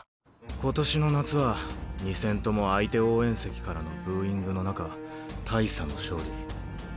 今年の夏は２戦とも相手応援席からのブーイングの中大差の勝利。